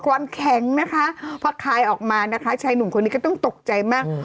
ความแข็งนะคะพอคลายออกมานะคะชายหนุ่มคนนี้ก็ต้องตกใจมาก